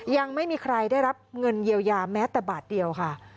ยังไม่มีใครได้รับเงินเยียวยาแม้แต่บาทเดียวค่ะ